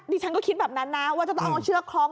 ฉันก็คิดแบบนั้นนะว่าจะต้องเอาเชือกคล้อง